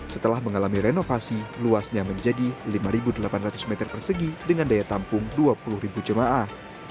setelah mengalami renovasi luasnya menjadi lima delapan ratus meter persegi dengan daya tampung dua puluh jemaah